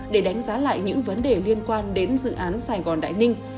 để đánh giá lại những vấn đề liên quan đến dự án sài gòn đại ninh